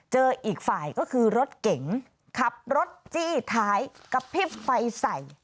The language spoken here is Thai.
อีกฝ่ายก็คือรถเก๋งขับรถจี้ท้ายกระพริบไฟใส่